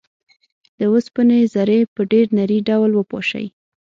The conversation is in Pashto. د اوسپنې ذرې په ډیر نري ډول وپاشئ.